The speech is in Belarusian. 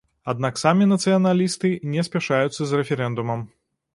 Аднак самі нацыяналісты не спяшаюцца з рэферэндумам.